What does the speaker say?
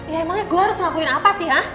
ya emangnya gue harus ngelakuin apa sih ya